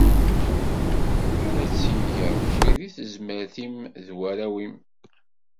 Ad tt-yeg Ṛebbi di tezmert-im d warraw-im.